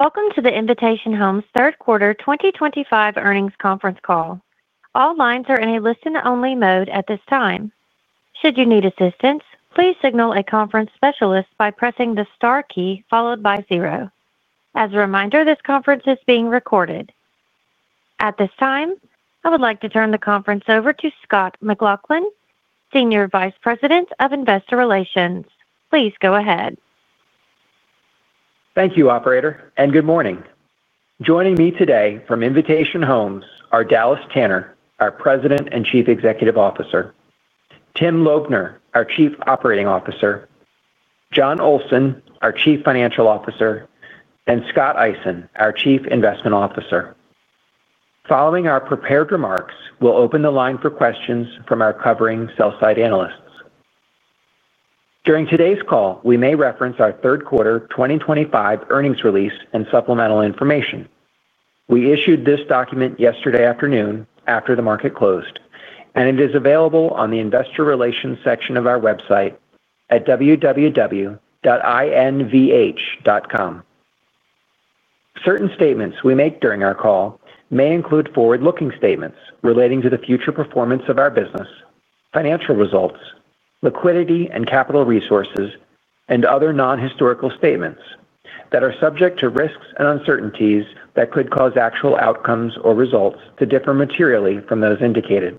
Welcome to the Invitation Homes Third Quarter 2025 Earnings Conference Call. All lines are in a listen-only mode at this time. Should you need assistance, please signal a conference specialist by pressing the star key followed by zero. As a reminder, this conference is being recorded at this time. I would like to turn the conference over to Scott McLaughlin, Senior Vice President of Investor Relations. Please go ahead. Thank you, Operator, and good morning. Joining me today from Invitation Homes are Dallas Tanner, our President and Chief Executive Officer, Tim Lobner, our Chief Operating Officer, Jon Olsen, our Chief Financial Officer, and Scott Eisen, our Chief Investment Officer. Following our prepared remarks, we'll open the line for questions from our covering sell-side analysts. During today's call, we may reference our third quarter 2025 earnings release and supplemental information. We issued this document yesterday afternoon after the market closed, and it is available on the Investor Relations section of our website at www.invh.com. Certain statements we make during our call may include forward-looking statements relating to the future performance of our business, financial results, liquidity and capital resources, and other non-historical statements that are subject to risks and uncertainties that could cause actual outcomes or results to differ materially from those indicated.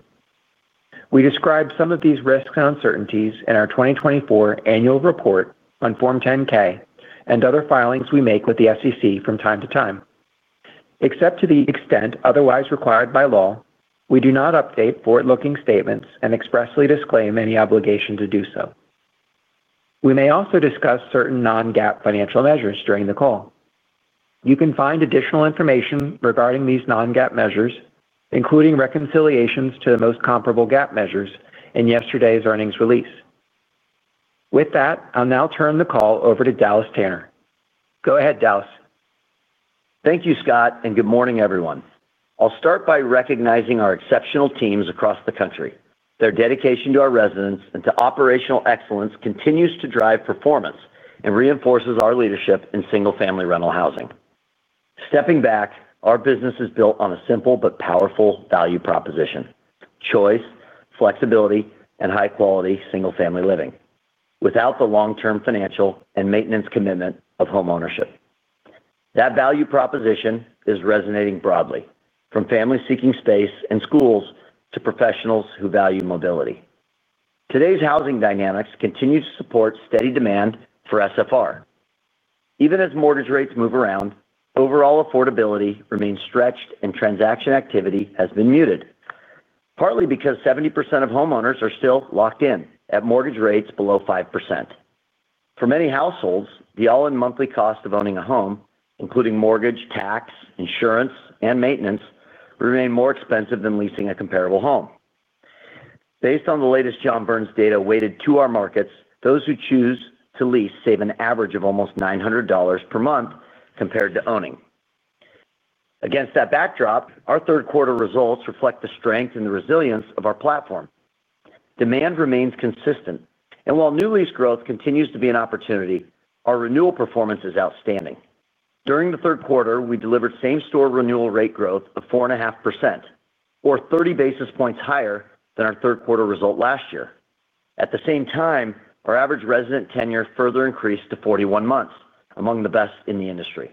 We describe some of these risks and uncertainties in our 2024 Annual Report on Form 10-K and other filings we make with the SEC from time to time. Except to the extent otherwise required by law, we do not update forward-looking statements and expressly disclaim any obligation to do so. We may also discuss certain non-GAAP financial measures. During the call, you can find additional information regarding these non-GAAP measures, including reconciliations to the most comparable GAAP measures in yesterday's earnings release. With that, I'll now turn the call over to Dallas Tanner. Go ahead, Dallas. Thank you, Scott, and good morning, everyone. I'll start by recognizing our exceptional teams across the country. Their dedication to our residents and to operational excellence continues to drive performance and reinforces our leadership in single-family rental housing. Stepping back, our business is built on a simple but powerful value proposition: choice, flexibility, and high-quality single-family living without the long-term financial and maintenance commitment of homeownership. That value proposition is resonating broadly, from families seeking space and schools to professionals who value mobility. Today's housing dynamics continue to support steady demand for SFR even as mortgage rates move around. Overall affordability remains stretched, and transaction activity has been muted, partly because 70% of homeowners are still locked in at mortgage rates below 5%. For many households, the all-in monthly cost of owning a home, including mortgage, tax, insurance, and maintenance, remains more expensive than leasing a comparable home. Based on the latest John Burns data weighted to our markets, those who choose to lease save an average of almost $900 per month compared to owning. Against that backdrop, our third quarter results reflect the strength and the resilience of our platform. Demand remains consistent, and while new lease growth continues to be an opportunity, our renewal performance is outstanding. During the third quarter, we delivered same-store renewal rent growth of 4.5%, or 30 basis points higher than our third quarter result last year. At the same time, our average resident tenure further increased to 41 months, among the best in the industry.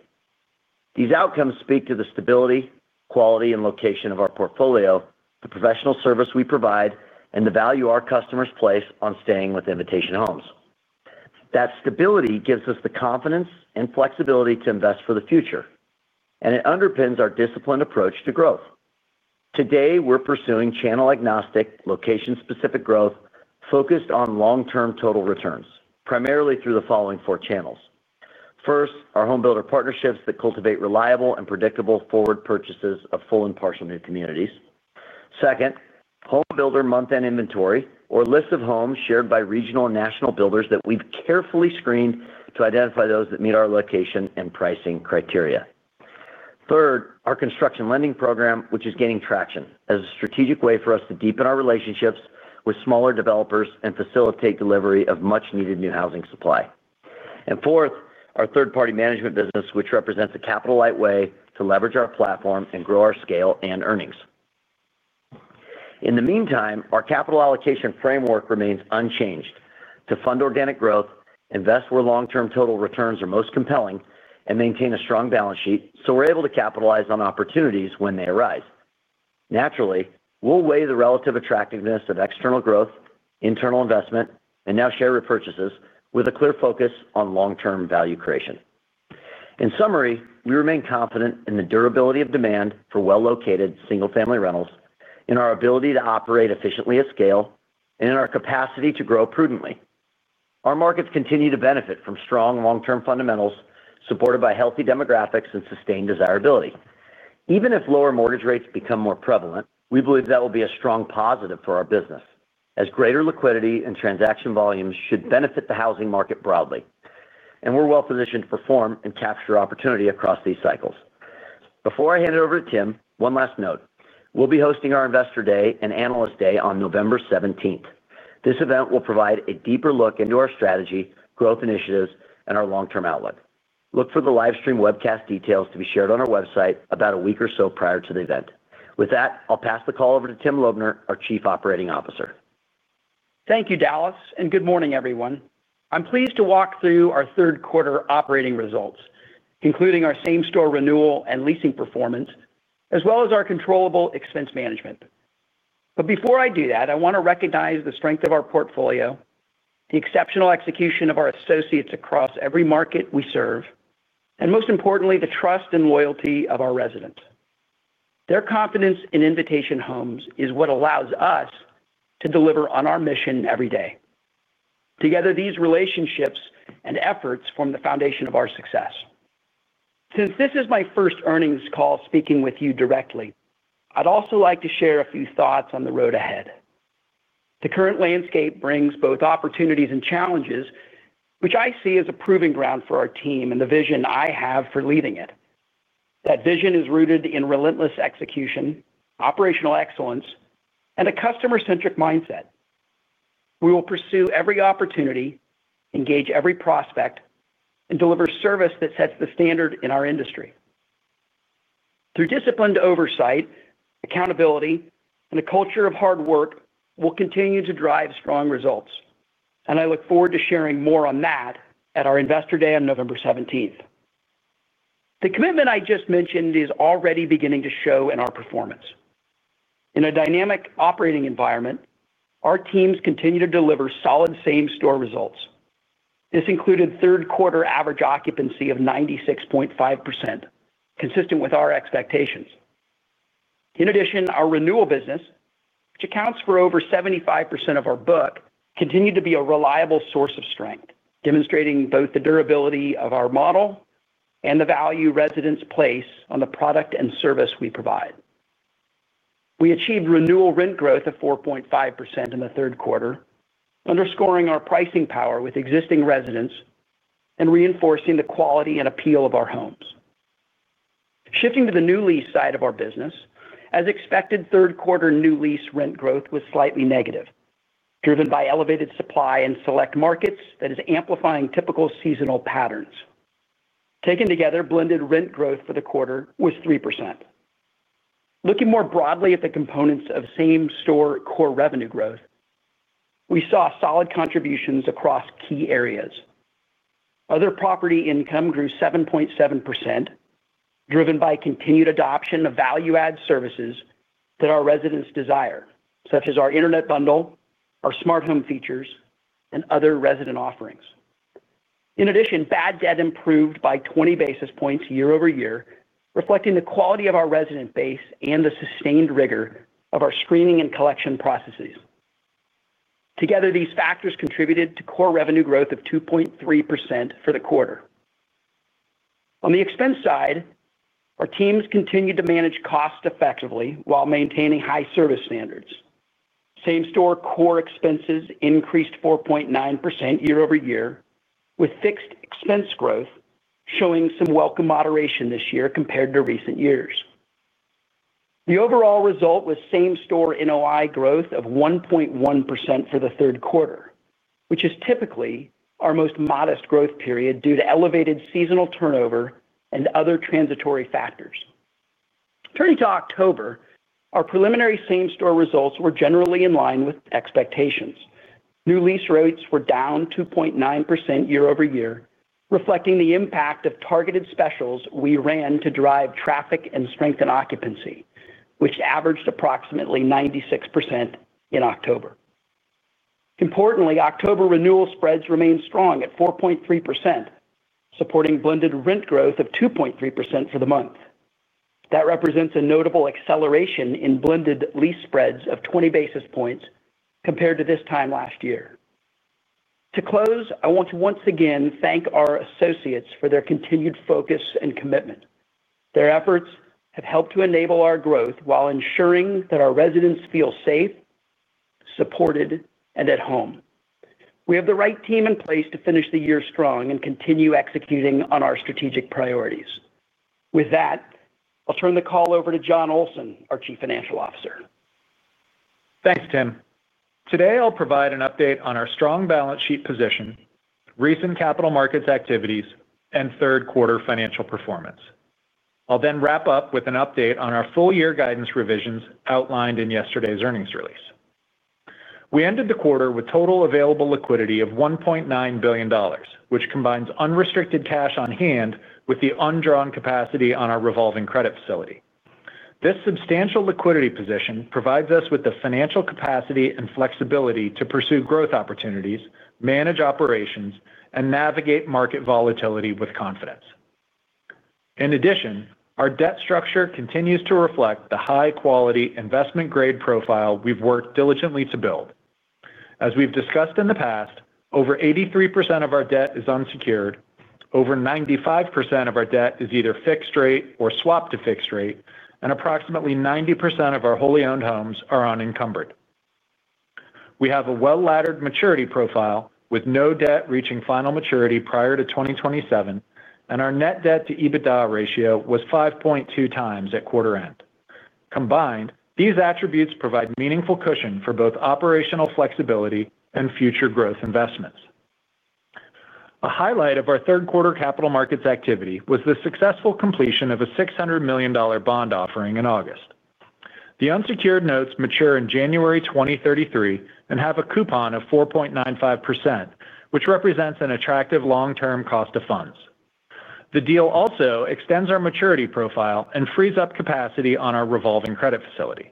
These outcomes speak to the stability, quality, and location of our portfolio, the professional service we provide, and the value our customers place on staying with Invitation Homes. That stability gives us the confidence and flexibility to invest for the future, and it underpins our disciplined approach to growth. Today, we're pursuing channel-agnostic, location-specific growth focused on long-term total returns primarily through the following four channels. First, our home builder partnerships that cultivate reliable and predictable forward purchases of full and partial new communities. Second, home builder month-end inventory, or list of homes shared by regional and national builders that we've carefully screened to identify those that meet our location and pricing criteria. Third, our construction lending program, which is gaining traction as a strategic way for us to deepen our relationships with smaller developers and facilitate delivery of much-needed new housing supply. Fourth, our third-party management business, which represents a capital-light way to leverage our platform and grow our scale and earnings. In the meantime, our capital allocation framework remains unchanged to fund organic growth, invest where long-term total returns are most compelling, and maintain a strong balance sheet so we're able to capitalize on opportunities when they arise naturally. We'll weigh the relative attractiveness of external growth, internal investment, and now share repurchases with a clear focus on long-term value creation. In summary, we remain confident in the durability of demand for well-located single-family rentals, in our ability to operate efficiently at scale, and in our capacity to grow prudently. Our markets continue to benefit from strong long-term fundamentals supported by healthy demographics and sustained desirability. Even if lower mortgage rates become more prevalent, we believe that will be a strong positive for our business as greater liquidity and transaction volumes should benefit the housing market broadly, and we're well positioned to perform and capture opportunity across these cycles. Before I hand it over to Tim, one last note. We'll be hosting our Investor Day and Analyst Day on November 17th. This event will provide a deeper look into our strategy, growth initiatives, and our long-term outlook. Look for the livestream webcast details to be shared on our website about a week or so prior to the event. With that, I'll pass the call over to Tim Lobner, our Chief Operating Officer. Thank you, Dallas, and good morning, everyone. I'm pleased to walk through our third quarter operating results, including our same-store renewal and leasing performance as well as our controllable expense management. Before I do that, I want to recognize the strength of our portfolio, the exceptional execution of our associates across every market we serve, and most importantly, the trust and loyalty of our residents. Their confidence in Invitation Homes is what allows us to deliver on our mission every day. Together, these relationships and efforts form the foundation of our success. Since this is my first earnings call speaking with you directly, I'd also like to share a few thoughts on the road ahead. The current landscape brings both opportunities and challenges, which I see as a proving ground for our team and the vision I have for leading it. That vision is rooted in relentless execution, operational excellence, and a customer-centric mindset. We will pursue every opportunity, engage every prospect, and deliver service that sets the standard in our industry through disciplined oversight. Accountability and a culture of hard work will continue to drive strong results, and I look forward to sharing more on that at our Investor Day on November 17th. The commitment I just mentioned is already beginning to show in our performance. In a dynamic operating environment, our teams continue to deliver solid same-store results. This included third quarter average occupancy of 96.5%, consistent with our expectations. In addition, our renewal business, which accounts for over 75% of our book, continued to be a reliable source of strength, demonstrating both the durability of our model and the value residents place on the product and service we provide. We achieved renewal rent growth of 4.5% in the third quarter, underscoring our pricing power with existing residents and reinforcing the quality and appeal of our homes. Shifting to the new lease side of our business, as expected, third quarter new lease rent growth was slightly negative, driven by elevated supply in select markets that is amplifying typical seasonal patterns. Taken together, blended rent growth for the quarter was 3%. Looking more broadly at the components of same-store core revenue growth, we saw solid contributions across key areas. Other property income grew 7.7% driven by continued adoption of value-add services that our residents desire, such as our Internet bundle, our Smart Home features, and other resident offerings. In addition, bad debt improved by 20 basis points year-over-year, reflecting the quality of our resident base and the sustained rigor of our screening and collection processes. Together, these factors contributed to core revenue growth of 2.3% for the quarter. On the expense side, our teams continued to manage costs effectively while maintaining high service standards. Same-store core expenses increased 4.9% year-over-year, with fixed expense growth showing some welcome moderation this year compared to recent years. The overall result was same-store NOI growth of 1.1% for the third quarter, which is typically our most modest growth period due to elevated seasonal turnover and other transitory factors. Turning to October, our preliminary same-store results were generally in line with expectations. New lease rates were down 2.9% year-over-year, reflecting the impact of targeted specials we ran to drive traffic and strengthen occupancy, which averaged approximately 96% in October. Importantly, October renewal spreads remain strong at 4.3%, supporting blended rent growth of 2.3% for the month. That represents a notable acceleration in blended lease spreads of 20 basis points compared to this time last year. To close, I want to once again thank our associates for their continued focus and commitment. Their efforts have helped to enable our growth while ensuring that our residents feel safe, supported, and at home. We have the right team in place to finish the year strong and continue executing on our strategic priorities. With that, I'll turn the call over to Jon Olsen, our Chief Financial Officer. Thanks, Tim. Today I'll provide an update on our strong balance sheet position, recent capital markets activities, and third quarter financial performance. I'll then wrap up with an update on our full year guidance revisions outlined in yesterday's earnings release. We ended the quarter with total available liquidity of $1.9 billion, which combines unrestricted cash on hand with the undrawn capacity on our revolving credit facility. This substantial liquidity position provides us with the financial capacity and flexibility to pursue growth opportunities, manage operations, and navigate market volatility with confidence. In addition, our debt structure continues to reflect the high-quality investment-grade profile we've worked diligently to build. As we've discussed in the past, over 83% of our debt is unsecured, over 95% of our debt is either fixed rate or swapped to fixed rate, and approximately 90% of our wholly owned homes are unencumbered. We have a well-laddered maturity profile with no debt reaching final maturity prior to 2027, and our net debt-to-EBITDA ratio was 5.2x at quarter end. Combined, these attributes provide meaningful cushion for both operational flexibility and future growth investments. A highlight of our third quarter capital markets activity was the successful completion of a $600 million bond offering in August. The unsecured notes mature in January 2033 and have a coupon of 4.95%, which represents an attractive long-term cost of funds. The deal also extends our maturity profile and frees up capacity on our revolving credit facility.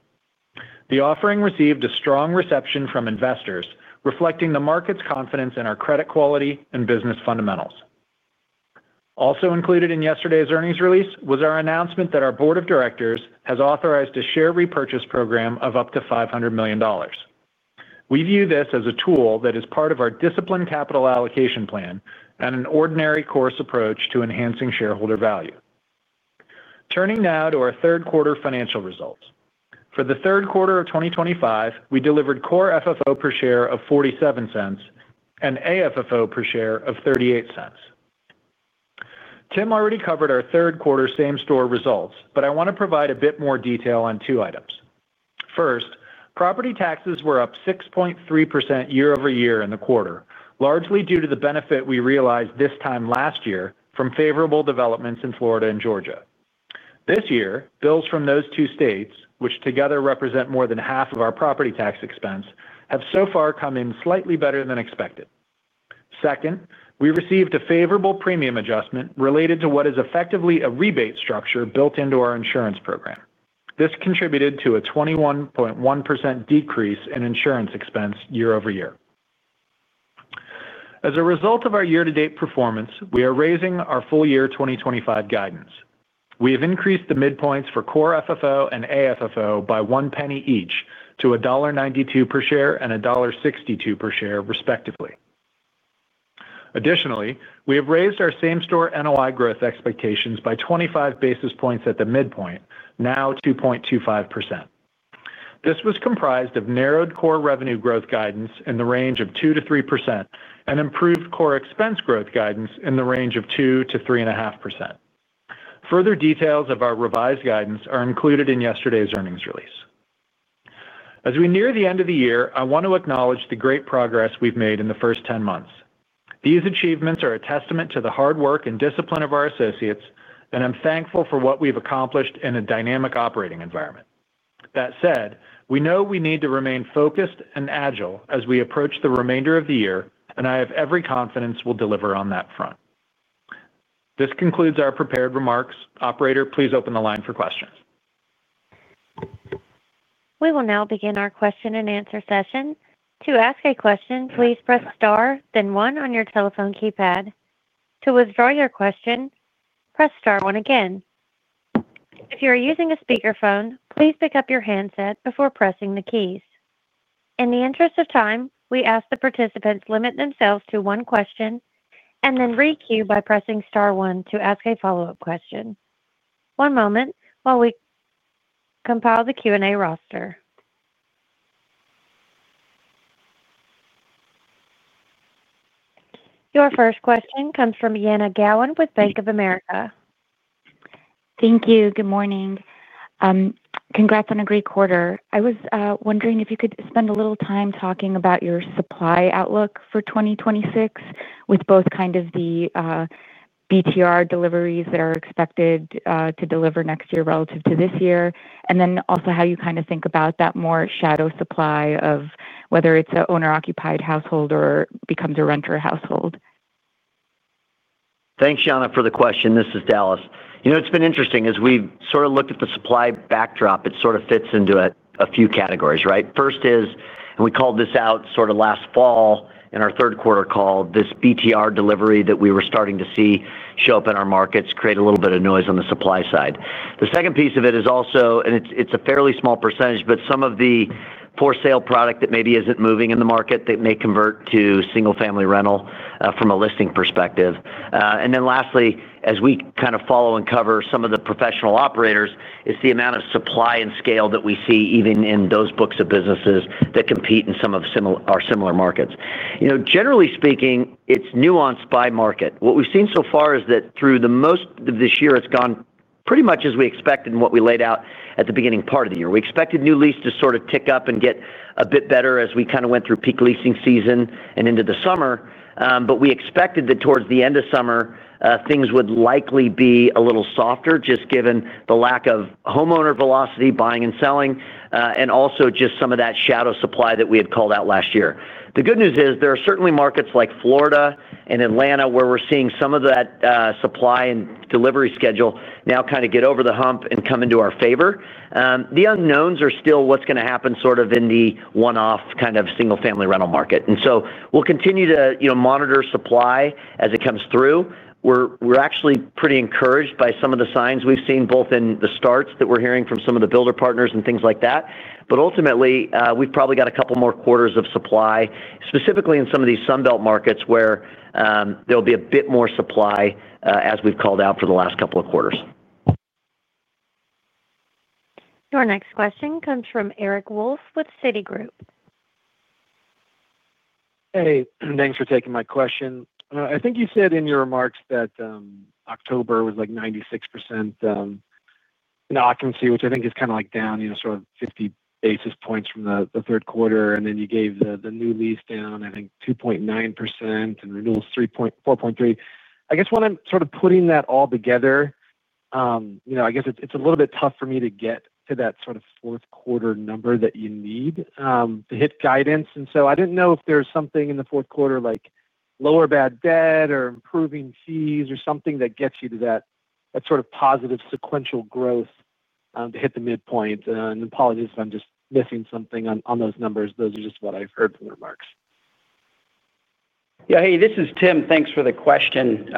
The offering received a strong reception from investors, reflecting the market's confidence in our credit quality and business fundamentals. Also included in yesterday's earnings release was our announcement that our Board of Directors has authorized a share repurchase program of up to $500 million. We view this as a tool that is part of our disciplined capital allocation plan and an ordinary course approach to enhancing shareholder value. Turning now to our third quarter financial results for the third quarter of 2025, we delivered Core FFO per share of $0.47 and AFFO per share of $0.38. Tim already covered our third quarter same-store results, but I want to provide a bit more detail on two items. First, property taxes were up 6.3% year-over-year in the quarter, largely due to the benefit we realized this time last year from favorable developments in Florida and Georgia. This year, bills from those two states, which together represent more than half of our property tax expense, have so far come in slightly better than expected. Second, we received a favorable premium adjustment related to what is effectively a rebate structure built into our insurance program. This contributed to a 21.1% decrease in insurance expense year-over-year. As a result of our year-to-date performance, we are raising our full year 2025 guidance. We have increased the midpoints for Core FFO and AFFO by one penny each to $1.92 per share and $1.62 per share, respectively. Additionally, we have raised our same-store NOI growth expectations by 25 basis points at the midpoint, now 2.25%. This was comprised of narrowed core revenue growth guidance in the range of 2%-3% and improved core expense growth guidance in the range of 2%-3.5%. Further details of our revised guidance are included in yesterday's earnings release. As we near the end of the year, I want to acknowledge the great progress we've made in the first 10 months. These achievements are a testament to the hard work and discipline of our associates, and I'm thankful for what we've accomplished in a dynamic operating environment. That said, we know we need to remain focused and agile as we approach the remainder of the year, and I have every confidence we'll deliver on that front. This concludes our prepared remarks. Operator, please open the line for questions. We will now begin our question-and-answer session. To ask a question, please press star then one on your telephone keypad. To withdraw your question, press star one again. If you are using a speakerphone, please pick up your handset before pressing the keys. In the interest of time, we ask the participants to limit themselves to one question and then requeue by pressing star one to ask a follow-up question. One moment while we compile the Q&A roster. Your first question comes from Jana Galan with Bank of America. Thank you. Good morning. Congrats on a great quarter. I was wondering if you could spend a little time talking about your supply outlook for 2026 with both kind of the BTR deliveries that are expected to deliver next year relative to this year and then also how you kind of think about that more shadow supply of whether it's an owner-occupied household becomes a renter household. Thanks, Jana, for the question. This is Dallas. You know, it's been interesting as we sort of look at the supply backdrop, it sort of fits into a few categories, right? First is, and we called this out sort of last fall in our third quarter call, this BTR delivery that we were starting to see show up in our markets create a little bit of noise on the supply side. The second piece of it is also, and it's a fairly small percentage, but some of the for-sale product that maybe isn't moving in the market that may convert to single-family rental from a listing perspective. Lastly, as we kind of follow and cover some of the professional operators, is the amount of supply and scale that we see even in those books of businesses that compete in some of our similar markets. Generally speaking, it's nuanced by market. What we've seen so far is that through most of this year, it's gone pretty much as we expected. What we laid out at the beginning part of the year, we expected new lease to sort of tick up and get a bit better as we kind of went through peak leasing season and into the summer. We expected that towards the end of summer, things would likely be a little softer just given the lack of homeowner velocity buying and selling and also just some of that shadow supply that we had called out last year. The good news is there are certainly markets like Florida and Atlanta where we're seeing some of that supply and delivery schedule now kind of get over the hump and come into our favor. The unknowns are still what's going to happen sort of in the one-off kind of single-family rental market. We will continue to monitor supply as it comes through. We're actually pretty encouraged by some of the signs we've seen both in the starts that we're hearing from some of the builder partners and things like that. Ultimately, we've probably got a couple more quarters of supply, specifically in some of these Sunbelt markets where there will be a bit more supply, as we've called out for the last couple of quarters. Your next question comes from Eric Wolfe with Citibank. Hey, thanks for taking my question. I think you said in your remarks. That October was like 96% in occupancy, which I think is kind of like down, you know, sort of 50 basis points. from the third quarter. You gave the new lease down, I think 2.9% and renewals 3.4%. I guess when I'm sort of putting that all together, I guess. It's a little bit tough for me. To get to that sort of fourth. Quarter number that you need to hit guidance. I didn't know if there's something in the fourth quarter like lower bad debt or improving fees or something that gets you to that sort of positive sequential growth to hit the midpoint. Apologies if I'm just missing something on those numbers. Those are just what I've heard from the remarks. Hey, this is Tim. Thanks for the question.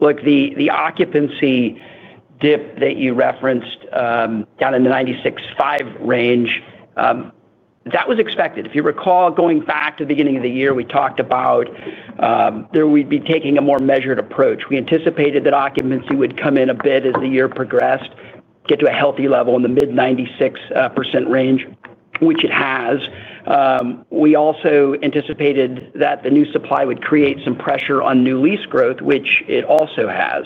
Look, the occupancy dip that you referenced down in the 96.5% range, that was expected. If you recall going back to the beginning of the year, we talked about there, we'd be taking a more measured approach. We anticipated that occupancy would come in a bit as the year progressed, get to a healthy level in the mid-96% range, which it has. We also anticipated that the new supply would create some pressure on new lease growth, which it also has.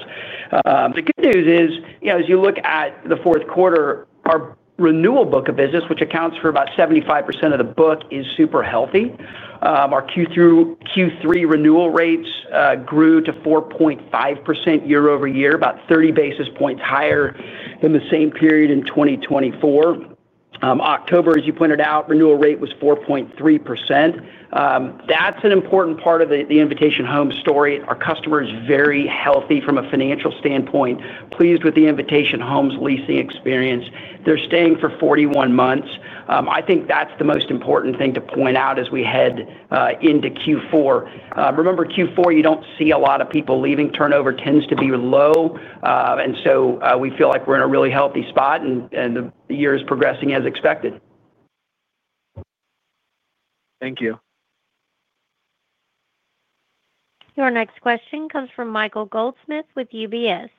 The good news is as you look at the fourth quarter, our renewal book of business, which accounts for about 75% of the book, is super healthy. Our Q3 renewal rates grew to 4.5% year-over-year, about 30 basis points higher than the same period in 2024. October, as you pointed out, renewal rate was 4.3%. That's an important part of the Invitation Homes story. Our customer is very healthy from a financial standpoint, pleased with the Invitation Homes leasing experience. They're staying for 41 months. I think that's the most important thing to point out as we head into Q4. Remember Q4, you don't see a lot of people leaving. Turnover tends to be low. We feel like we're in a really healthy spot and the year is progressing as expected. Thank you. Your next question comes from Michael Goldsmith with UBS.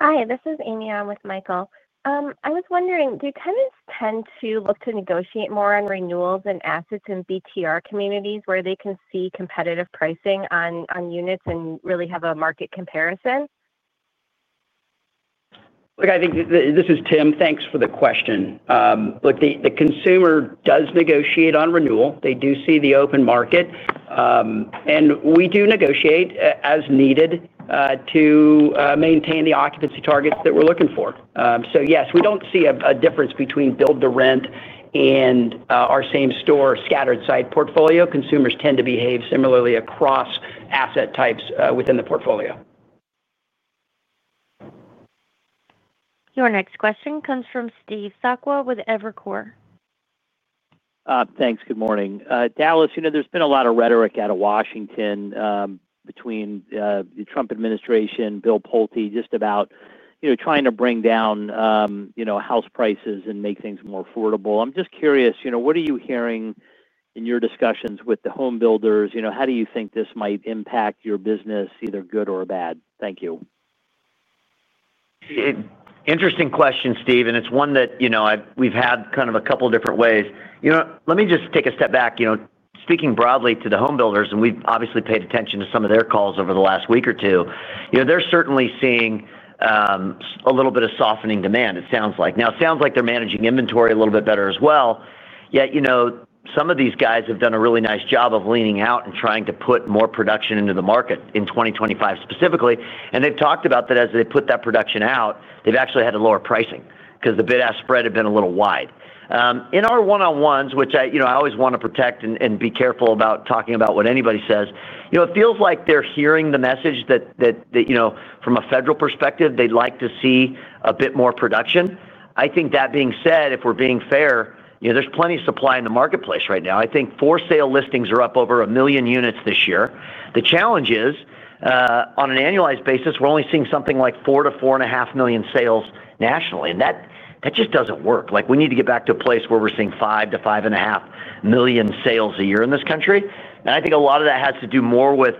Hi, this is Amy. I'm with Michael. I was wondering, do tenants tend to look to negotiate more on renewals and assets in BTR communities where they can see competitive pricing on units and really have a market comparison? I think this is. Tim, thanks for the question. The consumer does negotiate on renewal. They do see the open market, and we do negotiate as needed to maintain the occupancy targets that we're looking for. Yes, we don't see a difference between build-to-rent and our same-store scattered site portfolio. Consumers tend to behave similarly across asset types within the portfolio. Your next question comes from Steve Sakwa with Evercore. Thanks. Good morning, Dallas. You know, there's been a lot of rhetoric out of Washington between the Trump administration, Bill Pulte, just about, you know, trying to bring down, you know, house prices and make things more affordable. I'm just curious, you know, what are you hearing in your discussions with the home builders? You know, how do you think this might impact your business, either good or bad? Thank you. Interesting question, Steve, and it's one that we've had kind of a couple different ways. Let me just take a step back. Speaking broadly to the home builders, and we've obviously paid attention to some of their calls over the last week or two. They're certainly seeing a little bit of softening demand. It sounds like they're managing inventory a little bit better as well. Yet, some of these guys have done a really nice job of leaning out and trying to put more production into the market in 2025 specifically. They've talked about that as they put that production out, they've actually had a lower pricing because the bid-ask spread had been a little wide in our one-on-ones, which I always want to protect and be careful about talking about what anybody says. It feels like they're hearing the message that from a federal perspective they'd like to see a bit more production. I think that being said, if we're being fair, there's plenty of supply in the marketplace right now. I think for-sale listings are up over a million units this year. The challenge is on an annualized basis, we're only seeing something like 4 million-4.5 million sales nationally. That just doesn't work. We need to get back to a place where we're seeing 5 million-5.5 million sales a year in this country. I think a lot of that has to do more with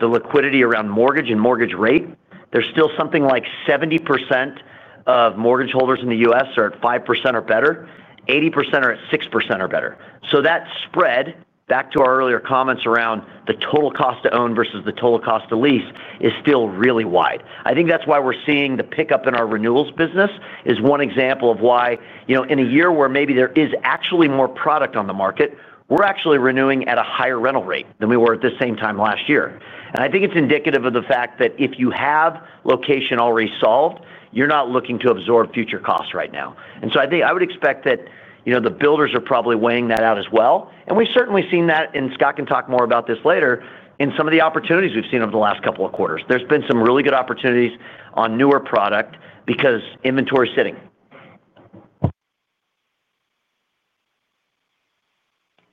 the liquidity around mortgage and mortgage rate. There's still something like 70% of mortgage holders in the U.S. are at 5% or better, 80% are at 6% or better. That spread back to our earlier comments around the total cost to own versus the total cost of lease is still really wide. I think that's why we're seeing the pickup in our renewals business, which is one example of why in a year where maybe there is actually more product on the market, we're actually renewing at a higher rental rate than we were at the same time last year. I think it's indicative of the fact that if you have location already solved, you're not looking to absorb future costs right now. I think I would expect that, you know, the builders are probably weighing that out as well, and we've certainly seen that. Scott can talk more about this later. In some of the opportunities we've seen over the last couple of quarters, there's been some really good opportunities on newer product because inventory is sitting.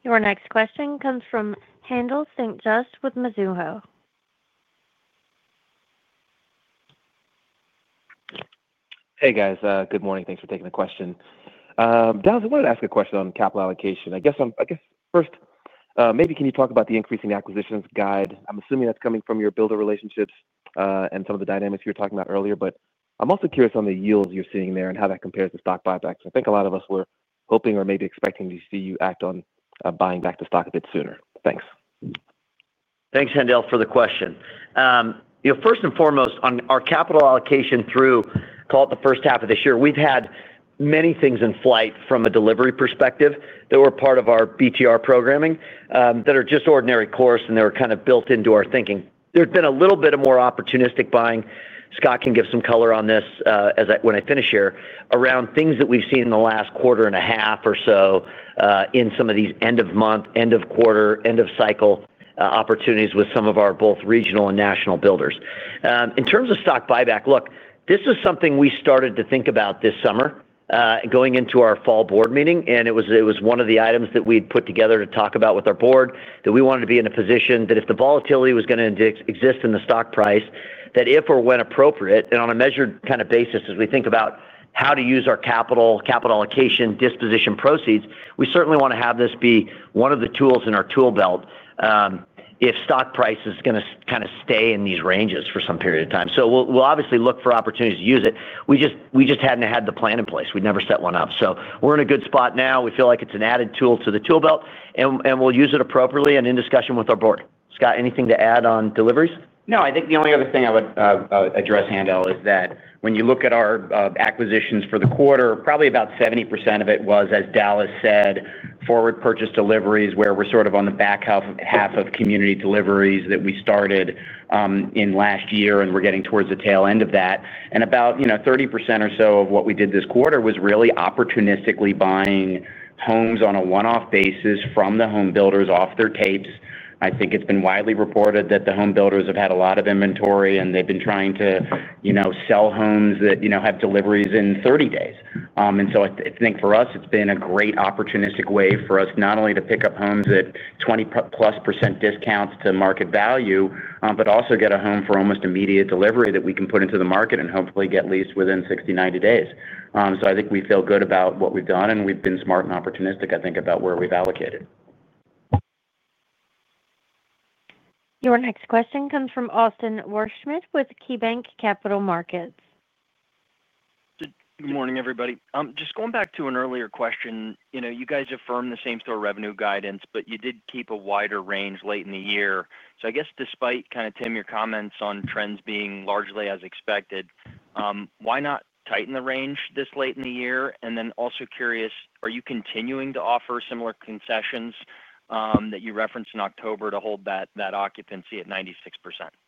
Your next question comes from Haendel St. Juste with Mizuho. Hey guys, good morning. Thanks for taking the question. Dallas, I wanted to ask a question on capital allocation. First, maybe can you talk about the increasing acquisitions guide? I'm assuming that's coming from your builder relationships and some of the dynamics you were talking about earlier. I'm also curious on the yields you're seeing there and how that compares to stock buybacks. I think a lot of us were hoping or maybe expecting to see you act on buying back the stock a bit sooner. Thanks. Thanks, Haendel, for the question. First and foremost on our capital allocation through, call it, the first half of this year, we've had many things in flight from a delivery perspective that were part of our BTR programming that are just ordinary course and they were kind of built into our thinking. There's been a little bit more opportunistic buying. Scott can give some color on this when I finish here, but around things that we've seen in the last quarter and a half or so in some of these end of month, end of quarter, end-of-cycle opportunities with some of our both regional and national builders. In terms of stock buyback, this is something we started to think about this summer going into our fall Board meeting. It was one of the items that we'd put together to talk about with our Board that we wanted to be in a position that if the volatility was going to exist in the stock price, that if or when appropriate and on a measured kind of basis, as we think about how to use our capital allocation disposition proceeds, we certainly want to have this be one of the tools in our tool belt if stock price is going to kind of stay in these ranges for some period of time. We will obviously look for opportunities to use it. We just hadn't had the plan in place. We never set one up. We're in a good spot now. We feel like it's an added tool to the tool belt and we'll use it appropriately and in discussion with our Board. Scott, anything to add on deliveries? No, I think the only other thing. I would address, Haendel, is that when you look at our acquisitions for the quarter, probably about 70% of it was, as Dallas said, forward purchase deliveries, where we're sort of on the back half of community deliveries that we started in last year and we're getting towards the tail end of that. About 30% or so of what we did this quarter was really opportunistically buying homes on a one-off basis from the home builders off their tapes. I think it's been widely reported that the home builders have had a lot of inventory and they've been trying to sell homes that have deliveries in 30 days. I think for us it's been a great opportunistic way for us not only to pick up homes at 20%+ discounts to market value, but also get a home for almost immediate delivery that we can put into the market and hopefully get leased within 60, 90 days. I think we feel good about what we've done and we've been smart and opportunistic, I think, about where we've allocated. Your next question comes from Austin Wurschmidt with KeyBanc Capital Markets. Good morning, everybody. Just going back to an earlier question. You know, you guys affirm the same-store revenue guidance, but you did keep a wider range late in the year. I guess despite, Tim, your comments on trends being largely as expected, why not tighten the range this. Late in the year? Are you continuing to offer similar concessions that you referenced in October to hold that occupancy at 96%?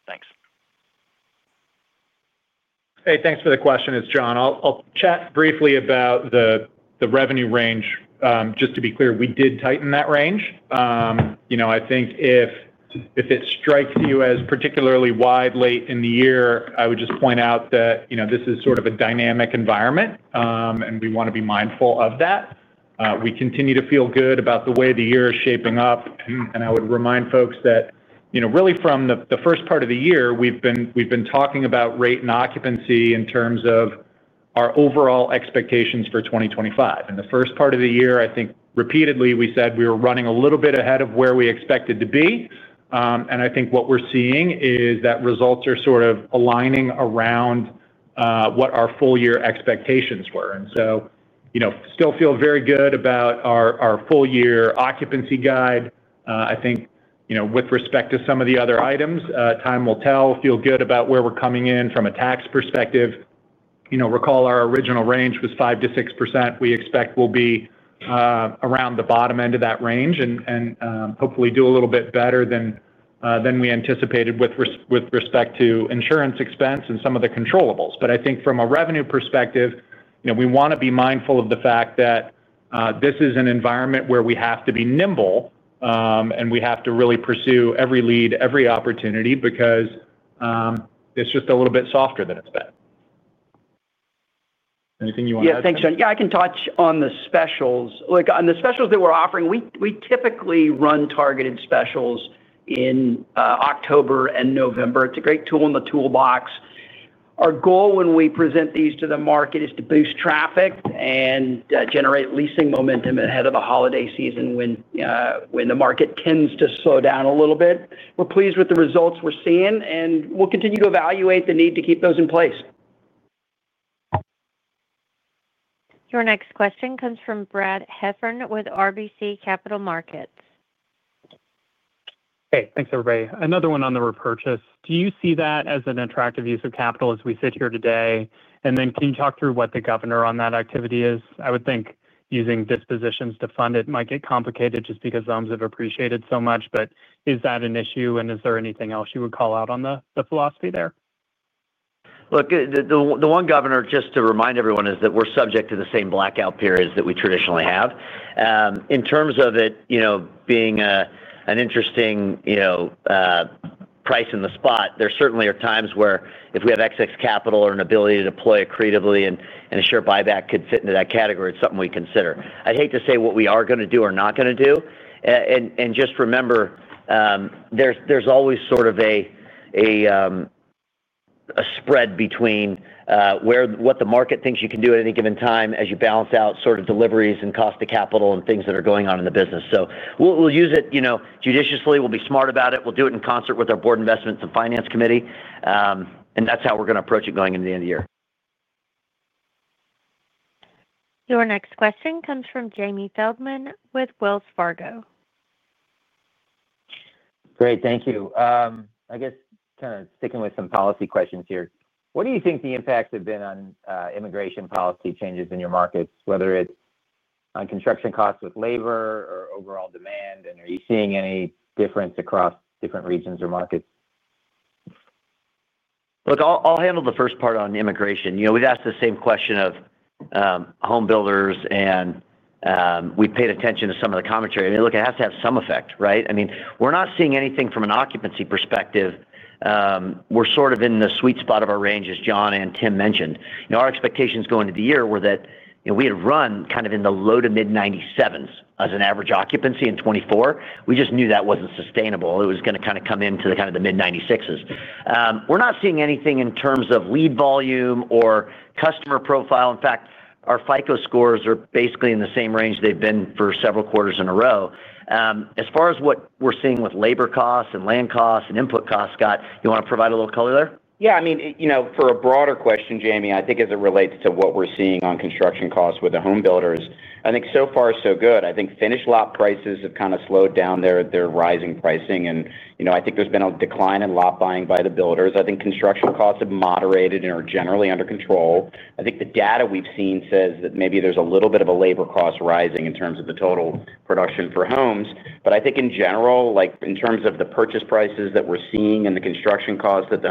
Thanks. Hey, thanks for the question. It's Jon. I'll chat briefly about the revenue range. Just to be clear, we did tighten that range. If it strikes you as particularly wide late in the year, I would just point out that this is sort of a dynamic environment and we want to be mindful of that. We continue to feel good about the way the year is shaping up. I would remind folks that, you know, really from the first part of the year, we've been talking about rate and occupancy in terms of our overall expectations for 2025. In the first part of the year, I think repeatedly we said we were running a little bit ahead of where we expected to be. I think what we're seeing is that results are sort of aligning around what our full year expectations were. You know, still feel very good about our full year occupancy guide. I think, you know, with respect to some of the other items, time will tell. Feel good about where we're coming in from a tax perspective. Recall our original range was 5%-6%. We expect we'll be around the bottom end of that range and hopefully do a little bit better than we anticipated with respect to insurance expense and some of the controllables. I think from a revenue perspective, you know, we want to be mindful of the fact that this is an environment where we have to be nimble and we have to really pursue every lead, every opportunity, because it's just a little bit softer than it's been. Anything you want to add? Yeah, thanks, Jon. I can touch on the specials. Look, on the specials that we're offering, we typically run targeted specials in October and November. It's a great tool in the toolbox. Our goal when we present these to the market is to boost traffic and generate leasing momentum ahead of the holiday season when the market tends to slow down a little bit. We're pleased with the results we're seeing, and we'll continue to evaluate the need to keep those in place. Your next question comes from Brad Heffern with RBC Capital Markets. Hey, thanks, everybody. Another one on the repurchase. Do you see that as an attractive use of capital as we sit here today? Can you talk through what the governor on that activity is? I would think using dispositions to fund it might get complicated just because zones have appreciated so much. Is that an issue? Is there anything else you would call out on the philosophy there? Look, the one, Governor, just to remind everyone is that we're subject to the same blackout periods that we traditionally have in terms of it, you know, being an interesting price in the spot. There certainly are times where if we have excess capital or an ability to deploy accretively and a share buyback could fit into that category. It's something we consider. I hate to say what we are going to do or not going to do. Just remember there's always sort of a spread between what the market thinks you can do at any given time as you balance out sort of deliveries and cost of capital and things that are going on in the business. We'll use it judiciously. We'll be smart about it. We'll do it in concert with our Board, Investments and Finance Committee, and that's how we're going to approach it going into the end of the year. Your next question comes from Jamie Feldman with Wells Fargo. Great, thank you. I guess, kind of sticking with some policy questions here. What do you think the impacts have been on immigration policy changes in your markets, whether it's on construction costs with labor or overall demand? Are you seeing any difference across different regions or markets? Look, I'll handle the first part on immigration. We've asked the same question of homebuilders and we paid attention to some of the commentary. It has to have some effect, right? We're not seeing anything from an occupancy perspective. We're sort of in the sweet spot of our range. As Jon and Tim mentioned, our expectations going into the year were that and we had run kind of in the low to mid-97s as an average occupancy in 2024. We just knew that wasn't sustainable. It was going to come into the mid-96s. We're not seeing anything in terms of lead volume or customer profile. In fact, our FICO scores are basically in the same range they've been for several quarters in a row. As far as what we're seeing with labor costs and land costs and input costs. Scott, you want to provide a little color there? Yeah. For a broader question, Jamie, I think as it relates to what we're seeing on construction costs with the homebuilders, I think so far so good. I think finished lot prices have kind of slowed down their rising pricing. I think there's been a decline in lot buying by the builders. I think construction costs have moderated and are generally under control. The data we've seen says that maybe there's a little bit of a labor cost rising in terms of the total production for homes. In general, in terms of the purchase prices that we're seeing and the construction costs that the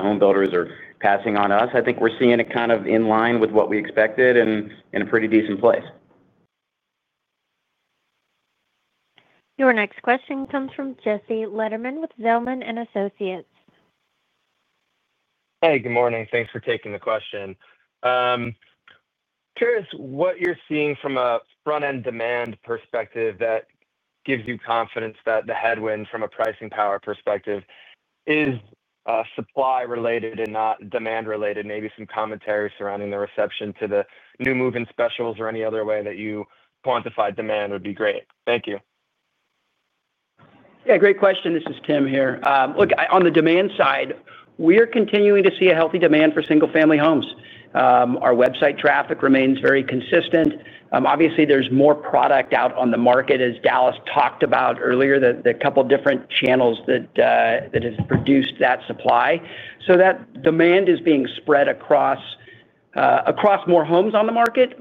homebuilders are passing on us, I think we're seeing it kind of in line with what we expected and in a pretty decent place. Your next question comes from Jesse Lederman with Zelman & Associates. Hey, good morning. Thanks for taking the question. Curious what you're seeing from a front-end demand perspective that gives you confidence that the headwind from a pricing power perspective is supply related and not demand related. Maybe some commentary surrounding the reception to the new move-in specials or any other way that you quantified demand would be great. Thank you. Yeah, great question. This is Tim here. On the demand side, we are continuing to see a healthy demand for single-family homes. Our website traffic remains very consistent. Obviously, there's more product out on the market as Dallas talked about earlier, the couple different channels that have produced that supply, so that demand is being spread across more homes on the market.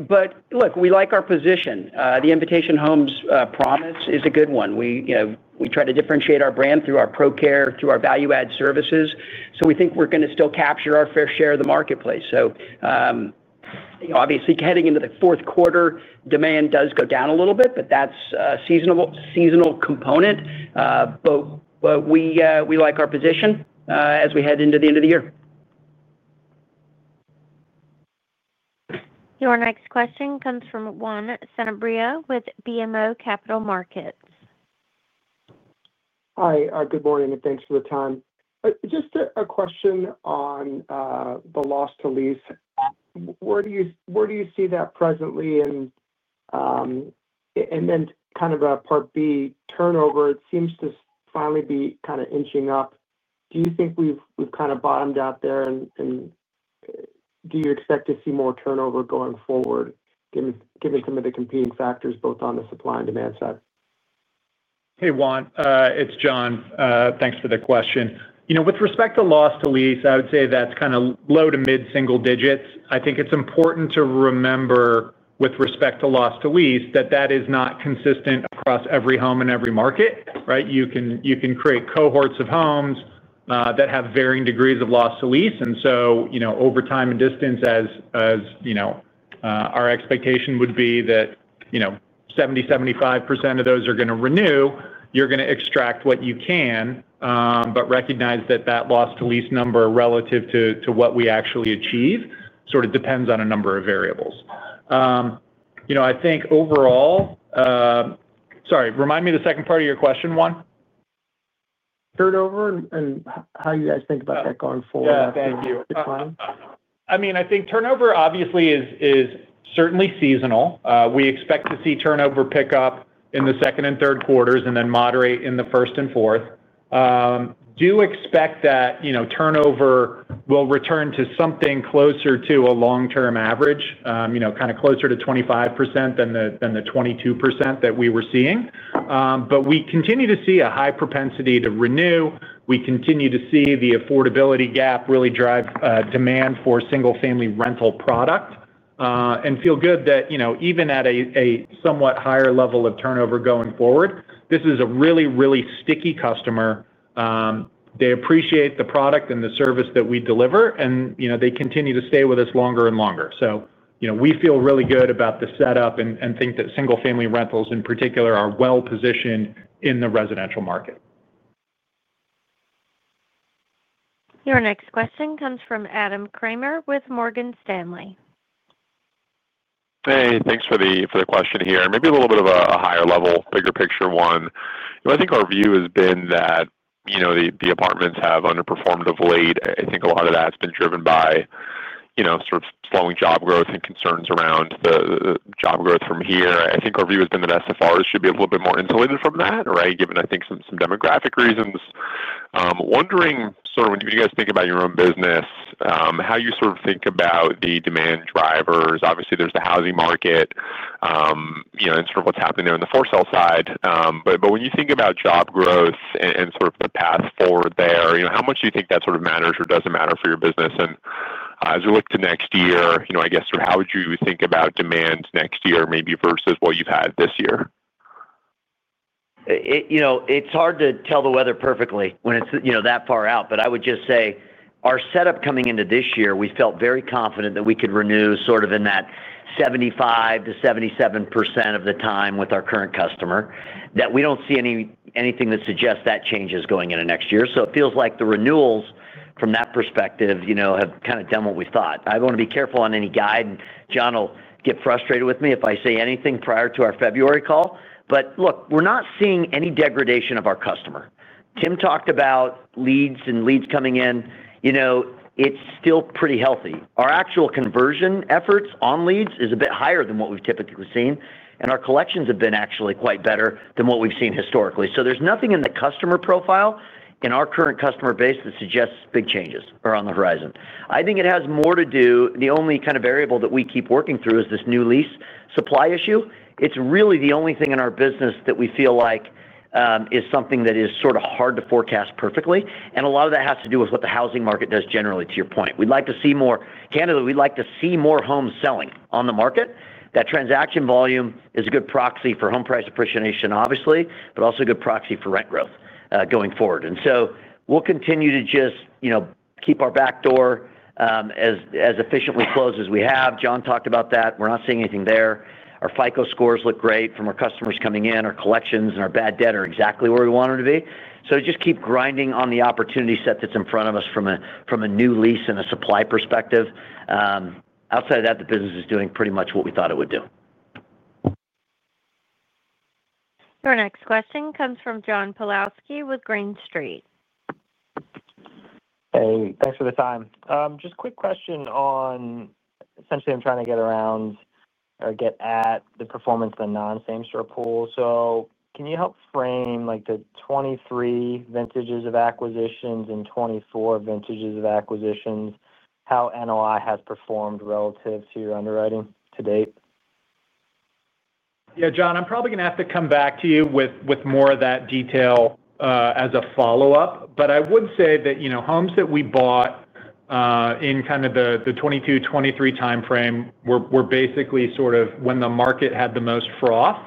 We like our position. The Invitation Homes promise is a good one. We try to differentiate our brand through our ProCare, through our value-add services. We think we're going to still capture our fair share of the marketplace. Obviously, heading into the fourth quarter, demand does go down a little bit, but that's a seasonal component. We like our position as we head into the end of the year. Your next question comes from Juan Sanabria with BMO Capital Markets. Hi, good morning, and thanks for the time. Just a question on the loss to lease. Where do you see that presently? Part B, turnover, it seems to finally be. Kind of inching up. Do you think we've kind of bottomed out there, and do you expect to see more turnover going forward given some of the competing factors both on the supply and demand side? Hey Juan, it's Jon. Thanks for the question. You know, with respect to loss to lease, I would say that's kind of low to mid-single digits. I think it's important to remember with respect to loss to lease that that is not consistent across every home in every market. Right. You can create cohorts of homes that have varying degrees of loss to lease. Over time and distance, as you know, our expectation would be that 70%-75% of those are going to renew. You're going to extract what you can. Recognize that the loss to lease number relative to what we actually achieve depends on a number of variables. I think overall—sorry, remind me the second part of your question, Juan. Turnover and how you guys think about that going forward. Thank you. I mean, I think turnover obviously is certainly seasonal. We expect to see turnover pick up in the second and third quarters and then moderate in the first and fourth. We do expect that turnover will return to something closer to a long-term average, you know, kind of closer to 25% than the 22% that we were seeing. We continue to see a high propensity to renew. We continue to see the affordability gap really drive demand for single-family rental product and feel good that, you know, even at a somewhat higher level of turnover going forward, this is a really, really sticky customer. They appreciate the product and the service that we deliver and, you know, they continue to stay with us longer and longer. We feel really good about the setup and think that single-family rentals in particular are well positioned in the residential market. Your next question comes from Adam Kramer with Morgan Stanley. Hey, thanks for the question here. Maybe a little bit of a higher level, bigger picture. One, I think our view has been that the apartments have underperformed of late. I think a lot of that has. Been driven by sort of slowing job growth and concerns around the job growth. From here, I think our view has been that SFRs should be a little bit more insulated from that given, I think, some demographic reasons. Wondering when you guys think about your own business, how you sort of think about the demand drivers. Obviously, there's the housing market and sort of what's happening there on the for-sale side. When you think about job growth and sort of the path forward there, how much do you think that sort. Of matters or does it matter for your business? As we look to next year, I guess how would you think about demand next year maybe versus what you've had this year? You know, it's hard to tell the weather perfectly when it's that far out. I would just say our setup coming into this year, we felt very confident that we could renew sort of in that 75%-77% of the time with our current customer. We don't see anything that suggests that changes going into next year. It feels like the renewals from that perspective have kind of done what we thought. I want to be careful on any guide. Jon will get frustrated with me if I say anything prior to our February call. Look, we're not seeing any degradation of our customer. Tim talked about leads and leads coming in. It's still pretty healthy. Our actual conversion efforts on leads is a bit higher than what we've typically seen, and our collections have been actually quite better than what we've seen historically. There's nothing in the customer profile, in our current customer base that suggests big changes are on the horizon. I think it has more to do with the only kind of variable that we keep working through, which is this new lease supply issue. It's really the only thing in our business that we feel like is something that is sort of hard to forecast perfectly. A lot of that has to do with what the housing market does generally. To your point, we'd like to see more, candidly, we'd like to see more homes selling on the market. That transaction volume is a good proxy for home price appreciation, obviously, but also a good proxy for rent growth going forward. We'll continue to just keep our back door as efficiently closed as we have. John talked about that. We're not seeing anything there. Our FICO scores look great from our customers coming in. Our collections and our bad debt are exactly where we want them to be. Just keep grinding on the opportunity set that's in front of us from a new lease and a supply perspective. Outside of that, the business is doing pretty much what we thought it would do. Your next question comes from John Pawlowski with Green Street. Hey, thanks for the time. Quick question on essentially I'm trying to get around or get at the performance of the non-same-store pool. Can you help frame the 2023 vintages of acquisitions and 2024 vintages of acquisitions, how NOI has performed relative to your underwriting to date? Yeah, John, I'm probably going to have to come back to you with more of that detail as a follow-up, but I would say that homes that we bought in kind of the 2022-2023 timeframe were basically sort of when the market had the most froth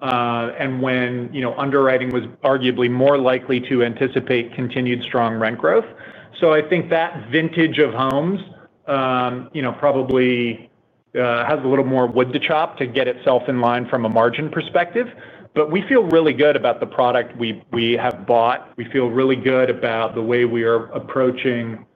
and when underwriting was arguably more likely to anticipate continued strong rent growth. I think that vintage of homes probably has a little more wood to chop to get itself in line from a margin perspective. We feel really good about the product we have bought. We feel really good about the way we are approaching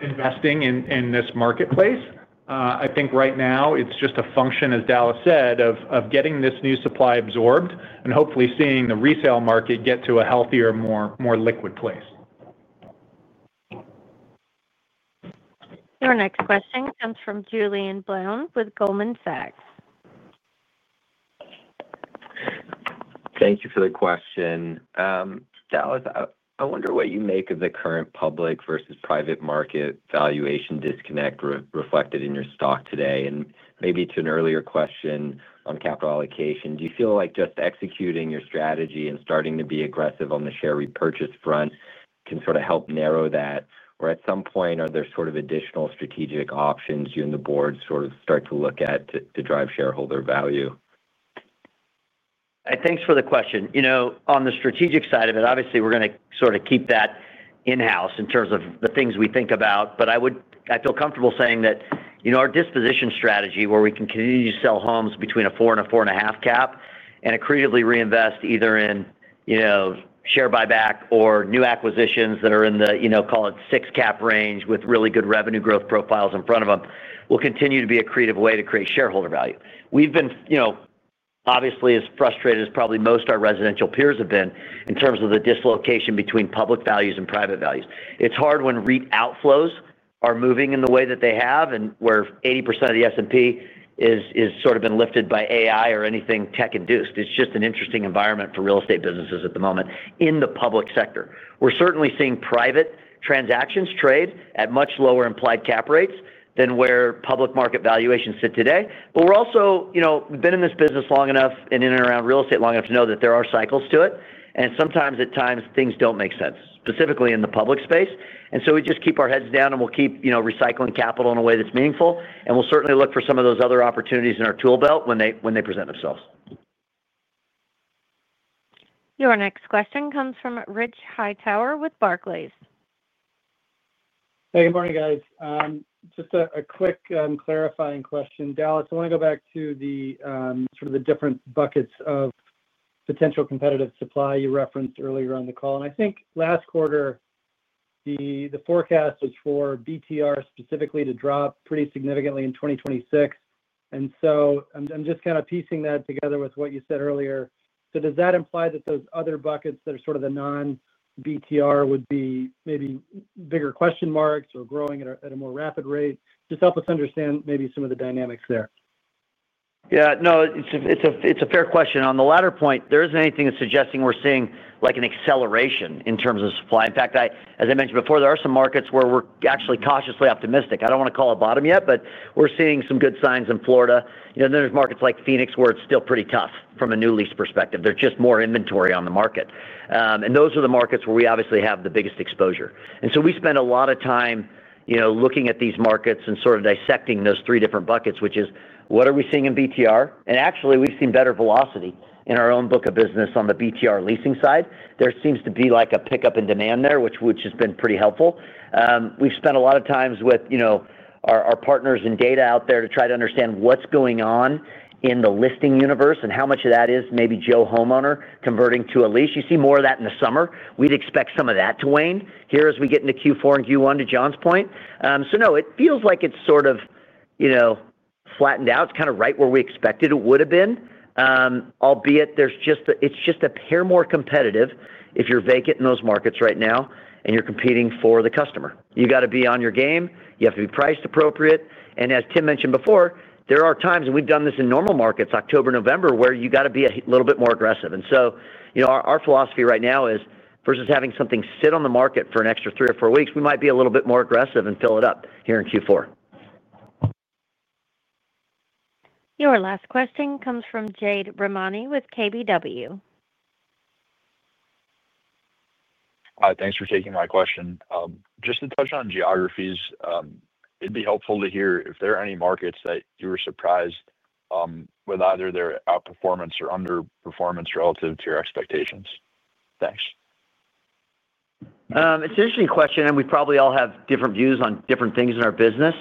investing in this marketplace. I think right now it's just a function, as Dallas said, of getting this new supply absorbed and hopefully seeing the resale market get to a healthier, more liquid place. Your next question comes from Julien Blouin with Goldman Sachs. Thank you for the question, Dallas. I wonder what you make of the current public versus private market valuation disconnect reflected in your stock today. Maybe to an earlier question on capital allocation, do you feel like just executing your strategy and starting to be aggressive on the share repurchase front can sort of help narrow that, or at some point are there sort of additional strategic options you and the Board sort of start to look at to drive shareholder value? Thanks for the question. On the strategic side of it, obviously we're going to sort of keep that in-house in terms of the things we think about. I feel comfortable saying that our disposition strategy, where we can continue to sell homes between a 4% and a 4.5% cap and accretively reinvest either in share buyback or new acquisitions that are in the, call it, 6% cap range with really good revenue growth profiles in front of them, will continue to be an accretive way to create shareholder value. We've been, obviously, as frustrated as probably most of our residential peers have been in terms of the dislocation between public values and private values. It's hard when REIT outflows are moving in the way that they have and where 80% of the S&P has sort of been lifted by AI or anything tech-induced. It's just an interesting environment for real estate businesses at the moment. In the public sector, we're certainly seeing private transactions trade at much lower implied cap rates than where public market valuations sit today. We're also, we've been in this business long enough and in and around real estate long enough to know that there are cycles to it and sometimes at times things don't make sense, specifically in the public space. We just keep our heads down and we'll keep recycling capital in a way that's meaningful. We'll certainly look for some of those other opportunities in our tool belt when they present themselves. Your next question comes from Rich Hightower with Barclays. Hey, good morning, guys. Just a quick clarifying question, Dallas. I want to go back to the different buckets of potential. Competitive supply you referenced earlier on the call. I think last quarter the forecast. Is for BTR specifically to drop pretty significantly in 2026. I'm just kind of piecing. That together with what you said earlier. Does that imply that those other. Buckets that are sort of the non-BTR would be maybe bigger question marks. Or growing at a more rapid rate? Just help us understand maybe some of the dynamics there. Yeah, no, it's a fair question on the latter point. There isn't anything that's suggesting we're seeing an acceleration in terms of supply. In fact, as I mentioned before, there are some markets where we're actually cautiously optimistic. I don't want to call a bottom yet, but we're seeing some good signs in Florida. There are markets like Phoenix where it's still pretty tough from a new lease perspective. There's just more inventory on the market, and those are the markets where we obviously have the biggest exposure. We spend a lot of time looking at these markets and sort of dissecting those three different buckets, which is what are we seeing in BTR. Actually, we've seen better velocity in our own book of business. On the BTR leasing side, there seems to be a pickup in demand there, which has just been pretty helpful. We've spent a lot of time with our partners and data out there to try to understand what's going on in the listing universe and how much of that is maybe Joe Homeowner converting to a lease. You see more of that in the summer. We'd expect some of that to wane here as we get into Q4 and Q1, to Jon's point. It feels like it's sort of flattened out right where we expected it would have been, albeit it's just a bit more competitive. If you're vacant in those markets right now and you're competing for the customer, you got to be on your game. You have to be priced appropriate, and as Tim mentioned before, there are times, and we've done this in normal markets, October, November, where you got to be a little bit more aggressive. Our philosophy right now is versus having something sit on the market for an extra three or four weeks, we might be a little bit more aggressive and fill it up here in Q4. Your last question comes from Jade Rahmani with KBW. Hi, thanks for taking my question. Just to touch on geographies, it'd be helpful to hear if there are any markets that you were surprised with either. Their outperformance or underperformance relative to your expectations. Thanks. It's an interesting question and we probably all have different views on different things in our business.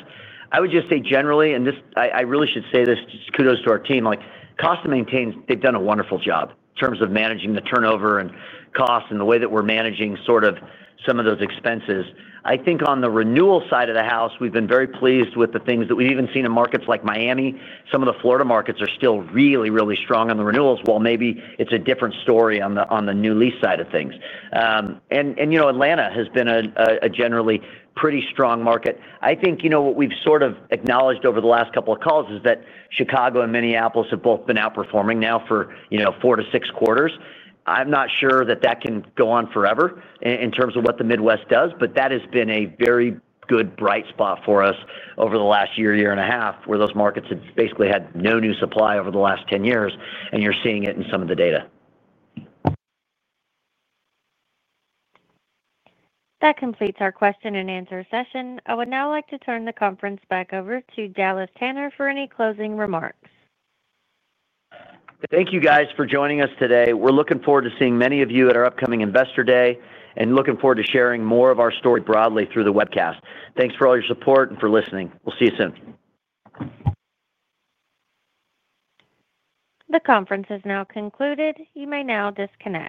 I would just say generally, and I really should say this, kudos to our team, like Costa maintains. They've done a wonderful job in terms of managing the turnover and costs and the way that we're managing sort of some of those expenses. I think on the renewal side of the house, we've been very pleased with the things that we've even seen in markets like Miami. Some of the Florida markets are still really, really strong on the renewal. Maybe it's a different story on the new lease side of things. You know, Atlanta has been a generally pretty strong market. I think what we've sort of acknowledged over the last couple of calls is that Chicago and Minneapolis have both been outperforming now for four to six quarters. I'm not sure that that can go on forever in terms of what the Midwest does. That has been a very good bright spot for us over the last year, year and a half where those markets had basically had no new supply over the last 10 years, and you're seeing it in some of the data. That completes our question-and-answer session. I would now like to turn the conference back over to Dallas Tanner for any closing remarks. Thank you guys for joining us today. We're looking forward to seeing many of you at our upcoming Investor Day and looking forward to sharing more of our story broadly through the webcast. Thanks for all your support and for listening. We'll see you soon. The conference has now concluded. You may now disconnect.